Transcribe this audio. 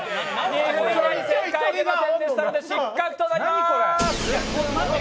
正解出ませんでしたので失格となります。